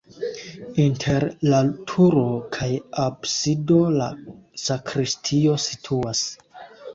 Inter la turo kaj absido la sakristio situas.